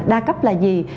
đa cấp là gì